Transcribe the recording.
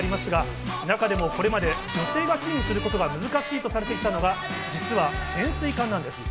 中でもこれまで女性が勤務することが難しいとされてきたのが潜水艦です。